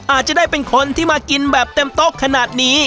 อาจจะได้เป็นคนที่มากินแบบเต็มโต๊ะขนาดนี้